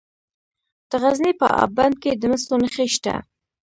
د غزني په اب بند کې د مسو نښې شته.